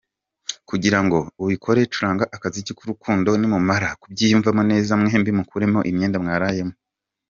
Kugira ngo ubikore curanga akaziki k’urukundo, nimumara kubyiyumvamo neza mwembi mukuremo imyenda mwarayemo.